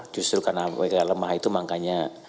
justru karena mereka lemah itu makanya